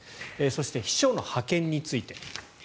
そして、秘書の派遣について。